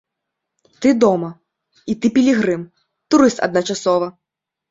Ты дома і ты пілігрым, турыст адначасова.